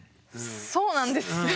そうなんです。